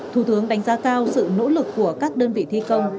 thủ tướng đánh giá cao sự nỗ lực của các đơn vị thi công